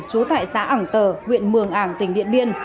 trú tại xã ảng tờ huyện mường ảng tỉnh điện biên